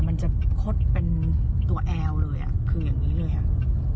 กลายจะโค้กเป็นตัวแอวกันเลยอะคืออย่างนี้เลยอะ